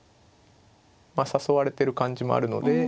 まあ誘われてる感じもあるので。